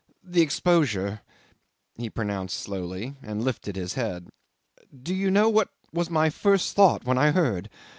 "The exposure," he pronounced slowly, and lifted his head. "Do you know what was my first thought when I heard?